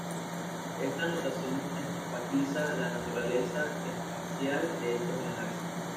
Esta notación enfatiza la naturaleza especial de estos enlaces.